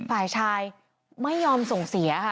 ฝ่ายชายไม่ยอมส่งเสียค่ะ